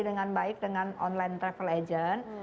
dengan baik dengan online travel agent